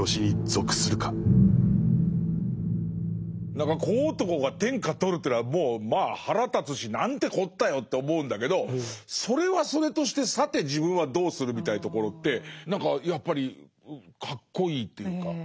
何か小男が天下取るというのはもうまあ腹立つしなんてこったよと思うんだけどそれはそれとしてさて自分はどうするみたいなところって何かやっぱりかっこいいっていうか。